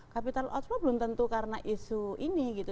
capital outflow belum tentu karena isu ini gitu